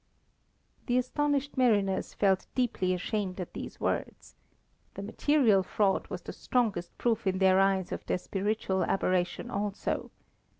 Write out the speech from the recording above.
The astonished mariners felt deeply ashamed at these words. The material fraud was the strongest proof in their eyes of their spiritual aberration also.